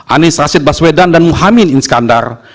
anissa rasid baswedan dan muhammad inskanan